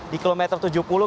di kilometer tujuh puluh